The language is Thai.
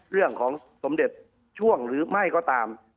เรื่องของสมเด็จช่วงหรือไม่ก็ตาม